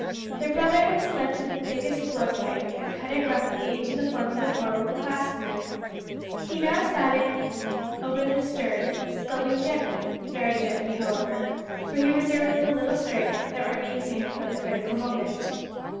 Their brother had selected the thickest floor plank, and cut it roughly into the form of an oar with a clasp knife. He now sat with it over the stern, sculling gently very gently, however, for he reserved the little strength that remained to him for the critical moment.